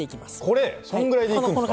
これ⁉そんぐらいでいくんですか？